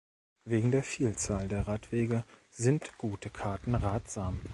Wegen der Vielzahl der Radwege sind gute Karten ratsam.